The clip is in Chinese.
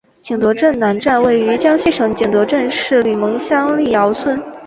景德镇南站位于江西省景德镇市吕蒙乡历尧村。